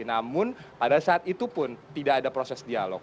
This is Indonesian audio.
namun pada saat itu pun tidak ada proses dialog